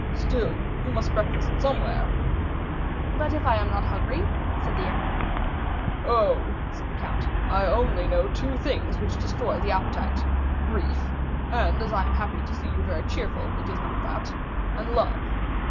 "Still you must breakfast somewhere." "But if I am not hungry?" said the young man. "Oh," said the count, "I only know two things which destroy the appetite,—grief—and as I am happy to see you very cheerful, it is not that—and love.